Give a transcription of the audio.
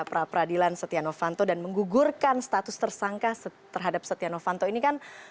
pra peradilan setia novanto dan menggugurkan status tersangka terhadap setia novanto ini kan